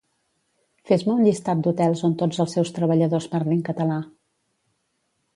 Fes-me un llistat d'hotels on tots els seus treballadors parlin català